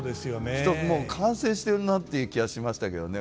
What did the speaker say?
一つもう完成してるなっていう気がしましたけどね。